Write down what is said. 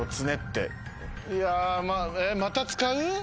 いやまぁまた使う？